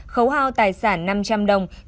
khấu hào tài sản năm trăm linh đồng